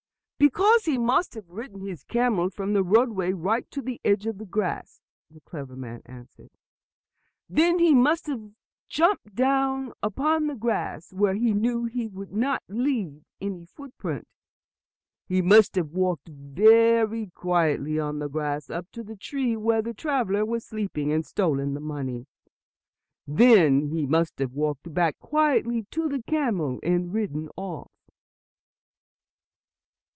"Because he must have ridden his camel from the roadway right to the edge of the grass," the clever man answered. "Then he must have jumped down upon the grass, where he knew he would not leave any footprint. He must have walked very quietly on the grass up to the tree where the traveler was sleeping, and stolen the money. Then he must have walked back quietly to the camel and ridden off."